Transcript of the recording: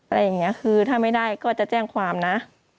อะไรอย่างนี้คือถ้าไม่ได้ก็จะแจ้งความนะ